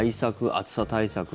暑さ対策。